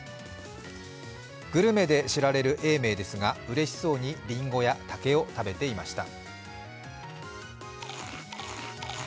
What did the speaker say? グルメで知られる永明ですが、うれしそうにりんごや竹を食べていました。